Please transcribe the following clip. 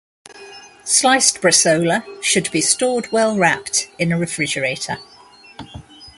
Sliced bresaola should be stored well wrapped in a refrigerator.